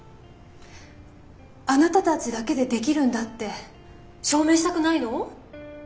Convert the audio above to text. あなたたちだけでできるんだって証明したくないの？